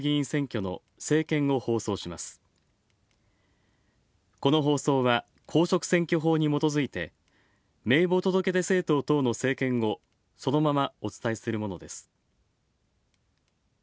この放送は公職選挙法にもとづいて名簿届出政党等の政見をそのままお伝えするものです。